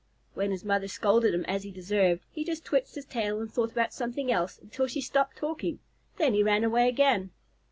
When his mother scolded him as he deserved, he just switched his tail and thought about something else until she stopped talking. Then he ran away again.